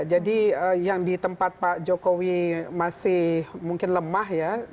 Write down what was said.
jadi yang di tempat pak jokowi masih mungkin lemah ya